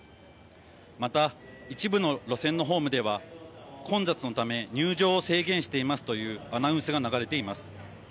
また一部の路線のホームでは混雑のため入場を制限していますというアナウンスが流れています。